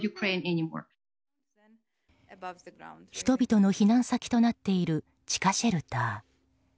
人々の避難先となっている地下シェルター。